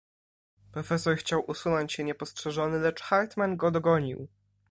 "Profesor chciał usunąć się niepostrzeżony, lecz Hartmann go dogonił."